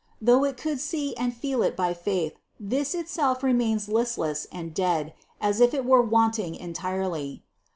Though it could see and feel it by faith, this it self remains listless and dead, as if it were wanting en tirely.